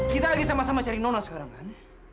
kita lagi sama sama cari nona sekarang kan